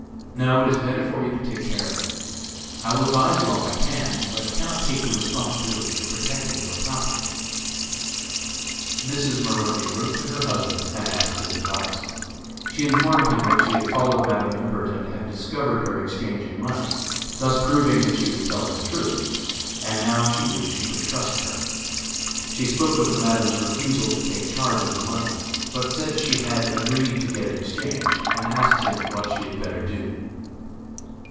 No, it is better for you to take care of it. I will advise you all I can, but cannot take the responsibility of protecting your property." Mrs. Maroney wrote to her husband and asked his advice. She informed him that she had followed Madam Imbert and had discovered her exchanging money, thus proving that she was telling the truth; and now she knew she could trust her. She spoke of the Madam's refusal to take charge of the money, but said she had agreed to get it exchanged, and asked him what she had better do.